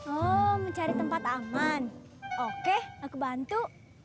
oh mencari tempat aman oke aku bantu